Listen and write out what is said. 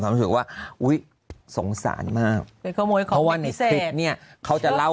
ความรู้ถึงว่าอุ้ยสงสารมากเพราะว่าในคลิปเนี่ยเขาจะเล่า